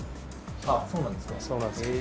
あっそうなんですか？